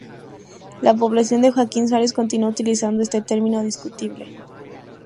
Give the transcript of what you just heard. La población de Joaquín Suárez continúa utilizando este termino discutible.